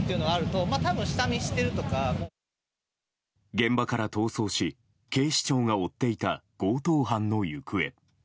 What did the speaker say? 現場から逃走し警視庁が追っていた強盗犯の行方。